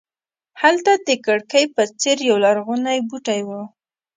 هلته د کړکۍ په څېر یولرغونی بوټی و.